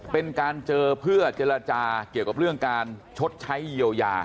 เป็นการเจอเพื่อเจรจาเกี่ยวกับเรื่องการชดใช้เยียวยา